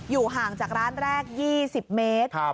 อยู่ห่างจากร้านแรกยี่สิบเมตรครับ